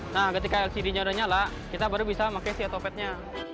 nah ketika lcd nya udah nyala kita baru bisa pakai si otopetnya